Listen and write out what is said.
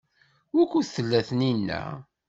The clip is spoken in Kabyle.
Wukud tella Taninna?